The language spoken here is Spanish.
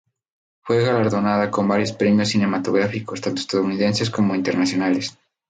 Fue galardonada con varios premios cinematográficos, tanto estadounidenses como internacionales.